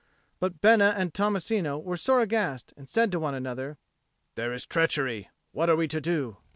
But Bena and Tommasino were sore aghast, and said to one another, "There is treachery. What are we to do?"